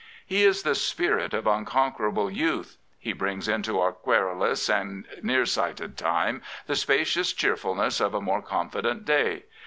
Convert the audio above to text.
He is the spirit of unconquerable youth. He brings into our querulous and near sighted time the spacious cheerfulness of a more confident day.